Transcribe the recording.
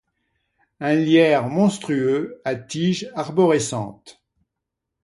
Un lierre monstrueux à tige arborescente